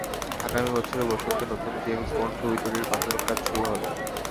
আগামী বছরের বসন্তে নতুন জেমস বন্ড ছবি তৈরির প্রাথমিক কাজ শুরু হবে।